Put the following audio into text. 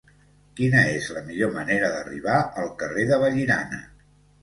Quina és la millor manera d'arribar al carrer de Vallirana?